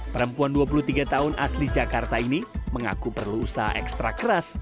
perempuan dua puluh tiga tahun asli jakarta ini mengaku perlu usaha ekstra keras